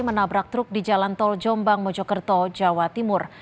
menabrak truk di jalan tol jombang mojokerto jawa timur